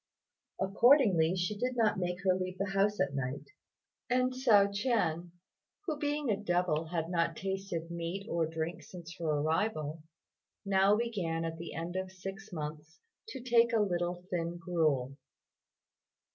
Accordingly, she didn't make her leave the house at night; and Hsiao ch'ien, who being a devil had not tasted meat or drink since her arrival, now began at the end of six months to take a little thin gruel.